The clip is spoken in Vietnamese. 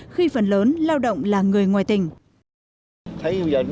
khi phần lớn lao động là người ngoài tỉnh